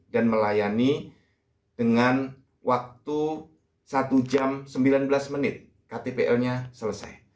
dan melayani dengan waktu satu jam sembilan belas menit ktpl nya selesai